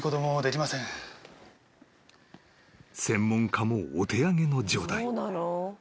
［専門家もお手上げの状態］